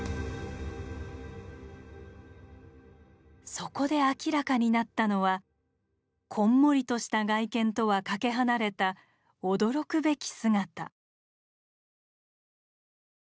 そこで明らかになったのはこんもりとした外見とはかけ離れた驚くべき姿。